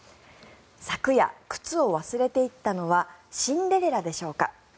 昨夜、靴を忘れていったのはシンデレラでしょうか？